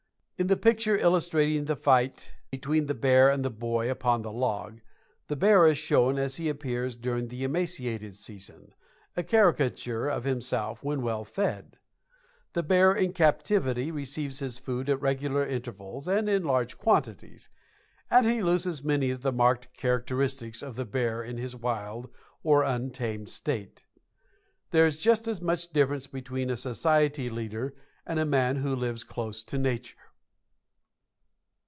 In the picture illustrating the fight between the bear and the boy upon the log, the bear is shown as he appears during the emaciated season, a caricature of himself when well fed. The bear in captivity receives his food at regular intervals and in large quantities, and he loses many of the marked characteristics of the bear in his wild or untamed state. There is just as much difference between a society leader and a man who lives close to nature.